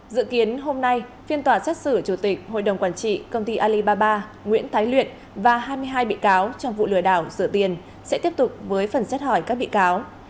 dự kiến hôm nay phiên tòa xét xử chủ tịch hội đồng quản trị công ty alibaba nguyễn thái luyện và hai mươi hai bị cáo trong vụ lừa đảo sửa tiền sẽ tiếp tục với phần xét hỏi các bị cáo